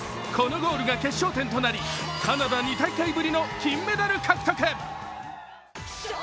このゴールが決勝点となり、カナダ２大会ぶりの金メダル獲得。